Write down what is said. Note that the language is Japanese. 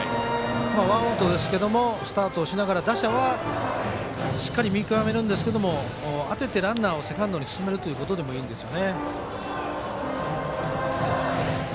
ワンアウトですけどスタートをしながらしっかり打者は見極めるんですが当てて、ランナーをセカンドに進めるということでもいいんです。